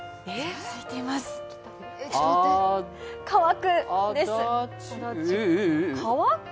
乾くです！